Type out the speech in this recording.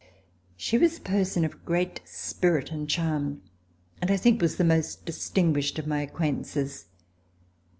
She was a person of great spirit and charm and, I think, was the most distinguished of my acquaint ances.